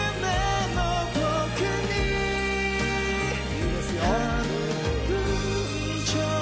いいですよ。